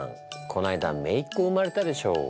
この間めいっ子生まれたでしょ。